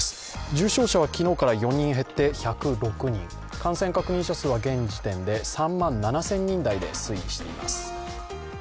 重症者は昨日から４人減って１０６人、感染確認者数は現時点で３万７０００人台で推移しています。